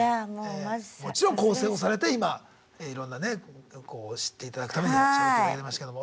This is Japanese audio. もちろん更生をされて今いろんなね知っていただくためにしゃべっていただきましたけども。